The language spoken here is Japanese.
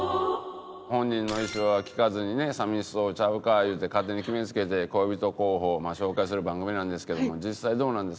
本人の意思は聞かずにね「寂しそうちゃうか？」言うて勝手に決め付けて恋人候補を紹介する番組なんですけれども実際どうなんです？